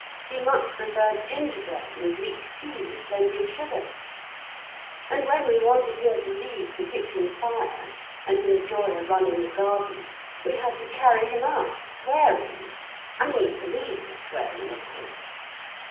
He much preferred gingerbread and weak tea with plenty of sugar; and when we wanted him to leave the kitchen fire and enjoy a run in the garden, we had to carry him out swearing—I mean he was swearing, of course.